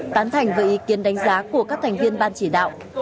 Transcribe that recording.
tán thành với ý kiến đánh giá của các thành viên ban chỉ đạo